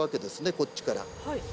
こっちから。